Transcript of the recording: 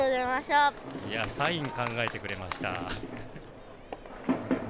サイン、考えてくれました。